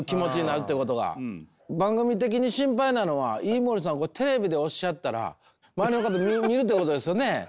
番組的に心配なのは飯森さんがテレビでおっしゃったら周りの方見るっていうことですよね。